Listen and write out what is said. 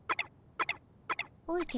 おじゃ。